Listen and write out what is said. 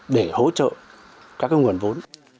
để hỗ trợ các nguồn vốn